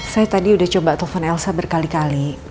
saya tadi udah coba telepon elsa berkali kali